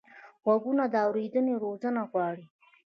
غوږونه د اورېدنې روزنه غواړي